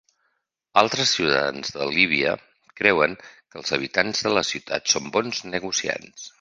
Altres ciutadans de Líbia creuen que els habitants de la ciutat són bons negociants.